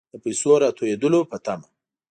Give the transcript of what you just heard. د پیسو راتوېدلو په طمع.